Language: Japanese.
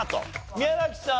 宮崎さん